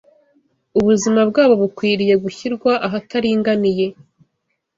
Ubuzima bwabo bukwiriye gushyirwa ahataringaniye